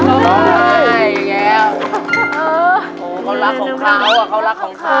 โอ้โฮเขารักของเขา